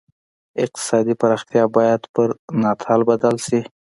اقتصادي پراختیا باید پر ناتال بدل شي.